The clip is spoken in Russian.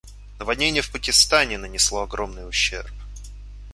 Наводнение в Пакистане нанесло огромный ущерб.